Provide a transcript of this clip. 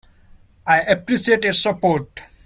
I appreciate your support.